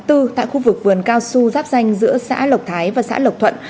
tại khu vực vườn cao su giáp danh giữa xã lộc thái và xã lộc thuận